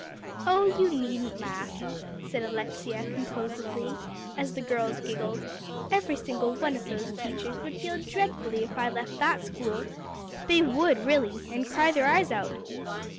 "Oh, you needn't laugh," said Alexia composedly as the girls giggled; "every single one of those teachers would feel dreadfully if I left that school. They would really, and cry their eyes out."